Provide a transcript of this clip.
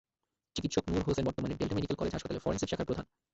চিকিৎসক নূর হোসেন বর্তমানে Delta medical college হাসপাতালের ফরেনসিক শাখার প্রধান।